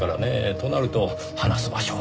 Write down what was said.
となると話す場所は。